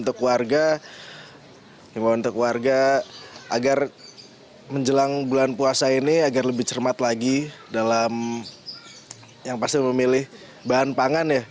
untuk warga himbawan untuk warga agar menjelang bulan puasa ini agar lebih cermat lagi dalam yang pasti memilih bahan pangan ya